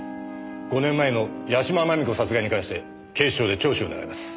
５年前の屋島真美子殺害に関して警視庁で聴取を願います。